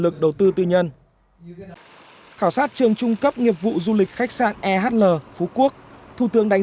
lực đầu tư tư nhân khảo sát trường trung cấp nghiệp vụ du lịch khách sạn ehl phú quốc thủ tướng đánh